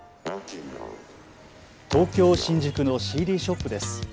東京新宿のＣＤショップです。